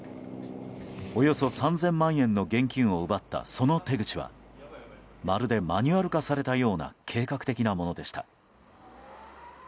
およそ３０００万円の現金を奪った、その手口はまるでマニュアル化されたような計画的なものでした。